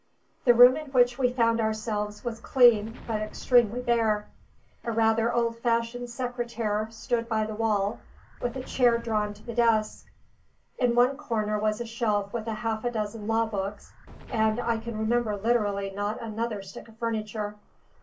The room in which we found ourselves was clean, but extremely bare. A rather old fashioned secretaire stood by the wall, with a chair drawn to the desk; in one corner was a shelf with half a dozen law books; and I can remember literally not another stick of furniture.